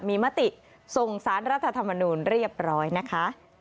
มีมติส่งสารรัฐธรรมนูลเรียบร้อยนะคะ